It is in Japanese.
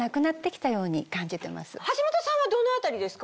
橋本さんはどの辺りですか？